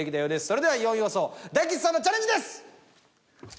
それでは４位予想大吉さんのチャレンジです！